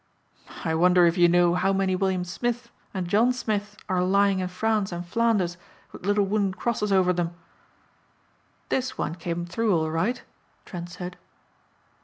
"I wonder if you know how many William Smiths and John Smiths are lying in France and Flanders with little wooden crosses over them?" "This one came through all right," Trent said.